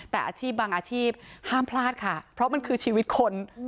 แต่อาชีพบางอาชีพห้ามพลาดค่ะเพราะมันคือชีวิตคน